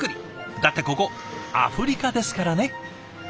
だってここアフリカですからね。